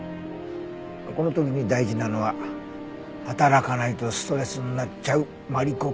この時に大事なのは働かないとストレスになっちゃうマリコくんのような人の扱い。